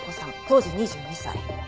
当時２２歳。